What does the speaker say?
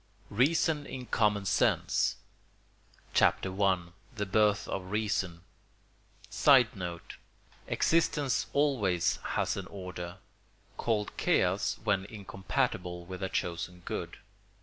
REASON IN COMMON SENSE CHAPTER I—THE BIRTH OF REASON [Sidenote: Existence always has an Order, called Chaos when incompatible with a chosen good.